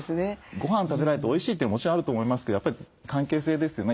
ごはん食べられておいしいというのはもちろんあると思いますけどやっぱり関係性ですよね。